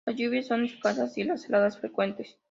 Las lluvias son escasas y las heladas frecuentes.